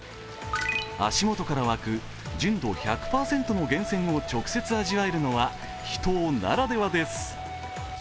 足元から湧く純度１００％の源泉を直接味わえるのは秘湯ならではです。